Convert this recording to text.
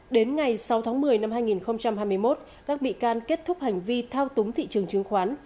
đến ngày sáu tháng một mươi năm hai nghìn hai mươi một các bị can kết thúc hành vi thao túng thị trường chứng khoán